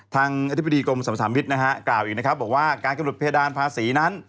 ทางอธิบดีกรมสำหรับมิตรกล่าวอีกบอกว่าการกำหนดเพดานภาษีนั้น